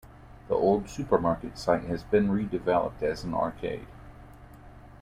The old supermarket site has been redeveloped as an arcade.